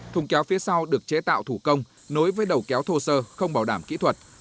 thùng kéo phía sau được chế tạo thủ công nối với đầu kéo thô sơ không bảo đảm kỹ thuật